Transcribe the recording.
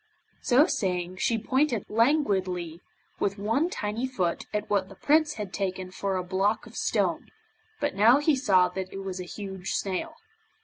So saying, she pointed languidly with one tiny foot at what the Prince had taken for a block of stone, but now he saw that it was a huge snail.